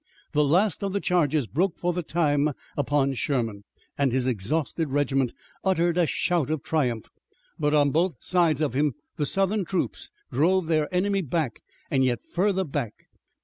The last of the charges broke for the time upon Sherman, and his exhausted regiment uttered a shout of triumph, but on both sides of him the Southern troops drove their enemy back and yet further back.